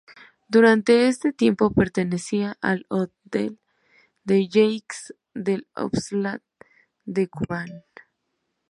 Durante este tiempo pertenecía al otdel de Yeisk del óblast de Kubán.